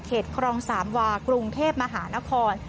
เหตุครองสามวาค่ะกรุงเทพฯมหานคร